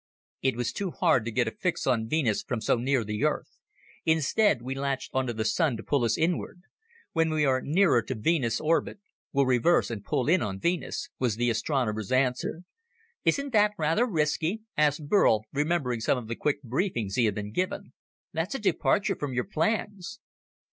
"It was too hard to get a fix on Venus from so near the Earth. Instead, we latched on to the Sun to pull us inward. When we are near to Venus' orbit, we'll reverse and pull in on Venus," was the astronomer's answer. "Isn't that rather risky?" asked Burl, remembering some of the quick briefings he had been given. "That's a departure from your plans."